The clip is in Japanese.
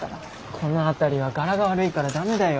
この辺りはガラが悪いから駄目だよ。